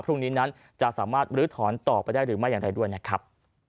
พรุ่งนี้นั้นจะสามารถมรื้อถอนต่อไปได้หรือไม่อย่างไรด้วยนะครับ